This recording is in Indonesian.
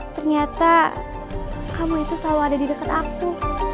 ternyata kamu itu selalu ada di dekat aku